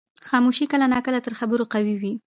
خاموشي کله ناکله تر خبرو قوي وي.